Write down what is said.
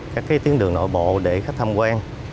các tiến đường nội bộ để khách tham quan